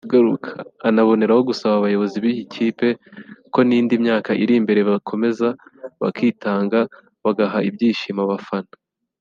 anaboneraho gusaba abayobozi b’iyi kipe ko n’indi myaka iri imbere bakomeza bakitanga bagaha ibyishimo abafana